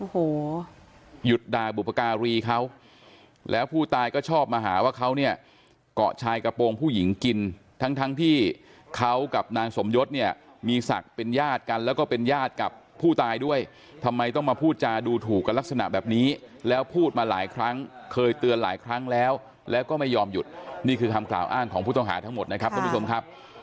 โอ้โหหยุดด่าบุพการีเขาแล้วผู้ตายก็ชอบมาหาว่าเขาเนี่ยเกาะชายกระโปรงผู้หญิงกินทั้งทั้งที่เขากับนางสมยศเนี่ยมีศักดิ์เป็นญาติกันแล้วก็เป็นญาติกับผู้ตายด้วยทำไมต้องมาพูดจาดูถูกกันลักษณะแบบนี้แล้วพูดมาหลายครั้งเคยเตือนหลายครั้งแล้วแล้วก็ไม่ยอมหยุดนี่คือคำกล่าวอ้างของผู้ต้องหาทั้งหมดนะครับทุกผู้ชมครับ